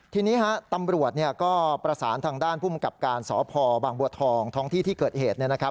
ทีนี้ฮะตำรวจก็ประสานทางด้านผู้มันกลับการสพบทองที่ที่เกิดเหตุ